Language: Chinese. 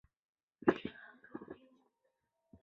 巴罗杜罗是巴西皮奥伊州的一个市镇。